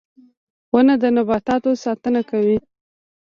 • ونه د نباتاتو ساتنه کوي.